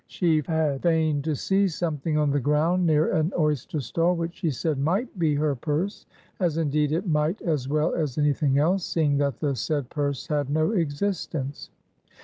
She had feigned to see "something" on the ground near an oyster stall, which she said "might be" her purse. As indeed it might as well as any thing else, seeing that the said purse had no existence.